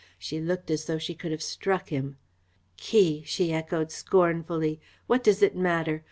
She looked as though she could have struck him. "Key!" she echoed scornfully. "What does it matter?